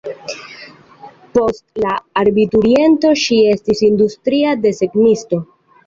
Post la abituriento ŝi estis industria desegnisto.